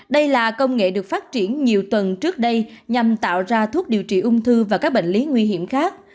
đây là công nghệ được phát triển nhiều tuần trước đây nhằm tạo ra thuốc điều trị ung thư và các bệnh lý nguy hiểm khác